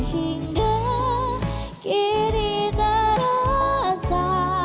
hingga kini terasa